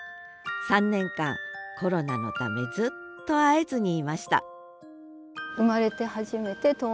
３年間コロナのためずっと会えずにいましたあらそう。